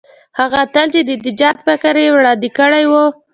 هغه اتل چې د نجات فکر یې وړاندې کړی وو.